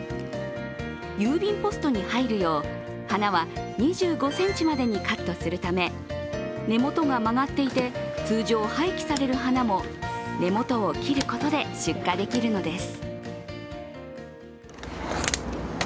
郵便ポストに入るよう、花は２５ｃｍまでにカットするため根元が曲がっていて通常廃棄される花も根元を切ることで出荷できるのです。